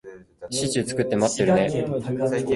シチュー作って待ってるね。